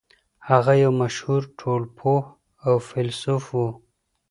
هغه يو مشهور ټولنپوه او فيلسوف و.